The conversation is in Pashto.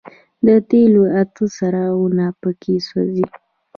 د تېلو اته څراغونه په کې سوځي.